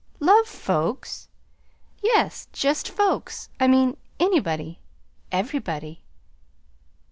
"LOVE FOLKS!" "Yes, just folks, I mean. Anybody everybody."